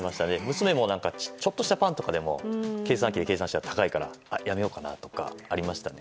娘もちょっとしたパンとかでも計算機で計算したら高いからやめようかなとかありましたね。